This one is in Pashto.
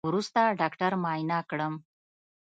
وروسته ډاکتر معاينه کړم.